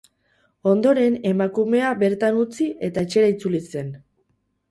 Ondoren, emakumea bertan utzi eta etxera itzuli zen.